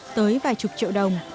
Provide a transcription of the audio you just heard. tới vài chục triệu đồng